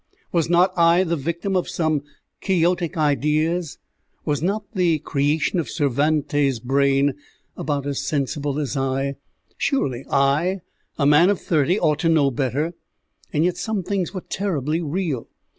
Was not I the victim of some Quixotic ideas? Was not the creation of Cervantes' brain about as sensible as I? Surely I, a man of thirty, ought to know better? And yet some things were terribly real.